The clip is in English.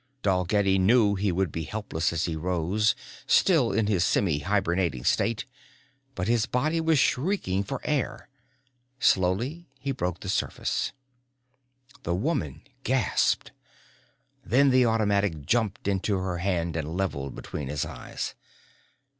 Dalgetty knew he would be helpless as he rose, still in his semi hibernating state, but his body was shrieking for air. Slowly he broke the surface. The woman gasped. Then the automatic jumped into her hand and leveled between his eyes.